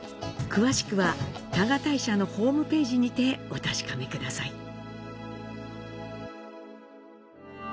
詳しくは多賀大社のホームページにてお確かめください。